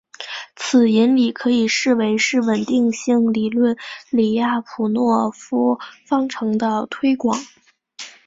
此引理可以视为是稳定性理论李亚普诺夫方程的推广。